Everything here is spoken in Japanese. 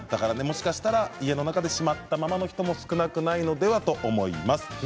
もしかしたら家の中でしまったままの人も少なくないのではと思います。